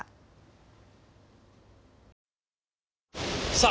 さあ